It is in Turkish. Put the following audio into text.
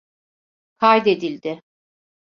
Kaydedildi.